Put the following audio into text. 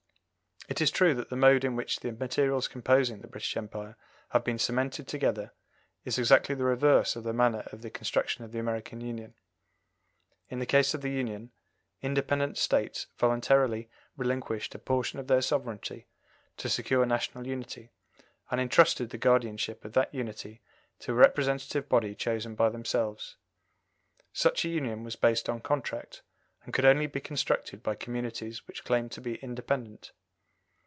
It is true that the mode in which the materials composing the British Empire have been cemented together is exactly the reverse of the manner of the construction of the American Union. In the case of the Union, independent States voluntarily relinquished a portion of their sovereignty to secure national unity, and entrusted the guardianship of that unity to a representative body chosen by themselves. Such a union was based on contract, and could only be constructed by communities which claimed to be independent.